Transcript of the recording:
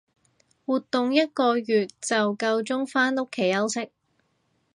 活動一個月就夠鐘返屋企休息